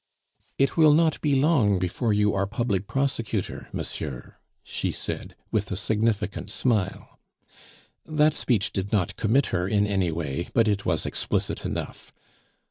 "It will not be long before you are public prosecutor, monsieur," she said, with a significant smile. That speech did not commit her in any way, but it was explicit enough.